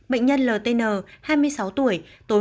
bệnh nhân ltn hai mươi sáu tuổi tối